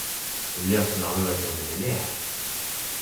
Lliɣ ssneɣ baba-twen mliḥ.